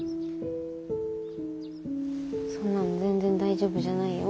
そんなの全然大丈夫じゃないよ。